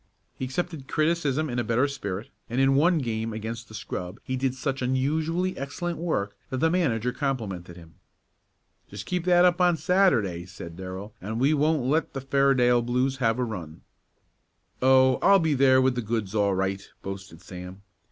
He accepted criticism in a better spirit, and in one game against the scrub he did such unusually excellent work that the manager complimented him. "Just keep that up on Saturday," said Darrell, "and we won't let the Fairdale Blues have a run." "Oh, I'll be there with the goods all right," boasted Sam.